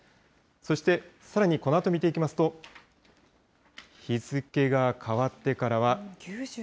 そしてさらにこのあと見ていきますと、日付が変わってからは。